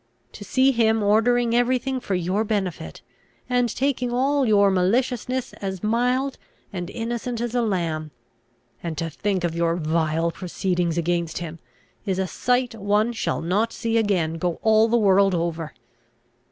To see him ordering every thing for your benefit, and taking all your maliciousness as mild and innocent as a lamb, and to think of your vile proceedings against him, is a sight one shall not see again, go all the world over.